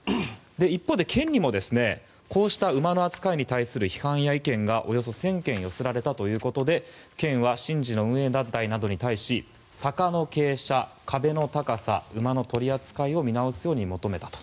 一方で県にもこうした馬の扱いに対する批判や意見がおよそ１０００件寄せられたということで県は神事の運営団体などに対し坂の傾斜、壁の高さ馬の取り扱いを見直すように求めたと。